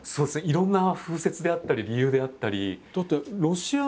いろんな風説であったり理由であったり。